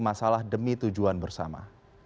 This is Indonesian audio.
masalah demi tujuan bersama